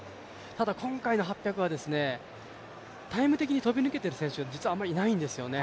ただ今回の８００はタイム的に飛び抜けている選手は実はあまりいないんですよね。